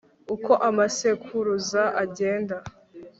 uko amasekuruza agenda